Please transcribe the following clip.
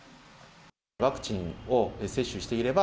ワクチンを接種していれば、